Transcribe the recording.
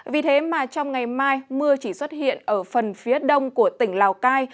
vì thế mà trong ngày mai mưa chỉ xuất hiện ở phần phía đông của tỉnh lào cai